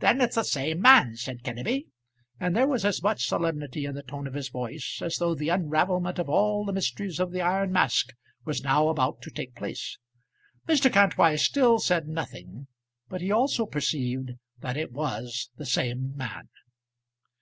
"Then it's the same man," said Kenneby; and there was as much solemnity in the tone of his voice as though the unravelment of all the mysteries of the iron mask was now about to take place. Mr. Kantwise still said nothing, but he also perceived that it was the same man.